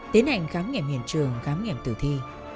tiến hành khám nghiệm hiện trường khám nghiệm tử thi